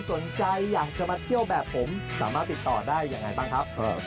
สวยจริงเลยครับเนี้ยโอ้โฮกินนอนครับ